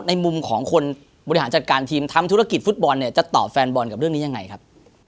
ในมุมของคนบริหารจัดการทีมทำธุรกิจฟุตบอลเนี่ยจะตอบแฟนบอลกับเรื่องนี้ยังไงครับ